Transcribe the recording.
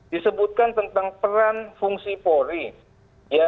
disebutkan tentang peran fungsi polri